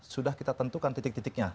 sudah kita tentukan titik titiknya